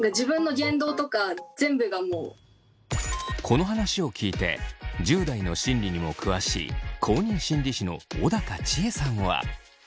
この話を聞いて１０代の心理にも詳しい公認心理師の小高千枝さんは。